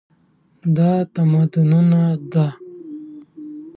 دا د تمدنونو ده.